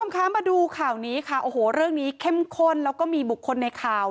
คุณผู้ชมคะมาดูข่าวนี้ค่ะโอ้โหเรื่องนี้เข้มข้นแล้วก็มีบุคคลในข่าว